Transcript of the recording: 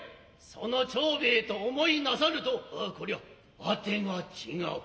その長兵衛と思いなさるとアアコリャアテが違う。